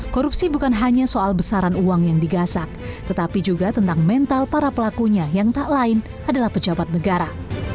korupsi bukan hanya soal besaran uang yang digasak tetapi juga tentang mental para pelakunya yang tak lain adalah pejabat negara